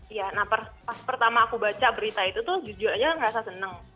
iya nah pas pertama aku baca berita itu tuh jujur aja ngerasa seneng